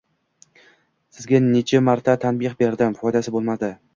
Sizga nechi marta tanbeh berdim! Foydasi boʻlmadi